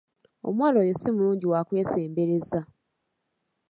Omuwala oyo si mulungi wakwesembereza.